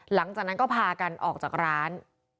หลังจากนั้นก็พากันออกจากร้าน